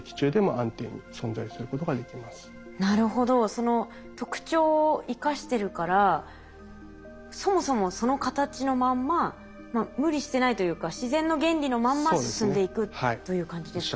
その特徴を生かしてるからそもそもその形のまんま無理してないというか自然の原理のまんま進んでいくという感じですかね。